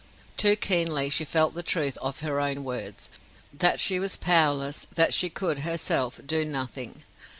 Too keenly she felt the truth of her own words, that she was powerless, that she could, herself, do nothing.